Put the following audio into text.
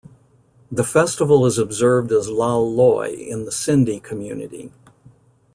The festival is observed as Lal Loi in the Sindhi community.